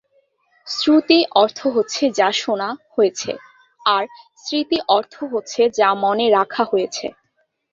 শ্রুতি অর্থ হচ্ছে যা শোনা হয়েছে, আর স্মৃতি অর্থ হচ্ছে যা মনে রাখা হয়েছে।